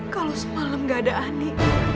kalau semalam gak ada ahli